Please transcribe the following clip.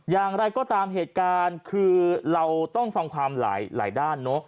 อย่างไรก็ตามเหตุการณ์คือเราต้องฟังความหลายด้านเนอะ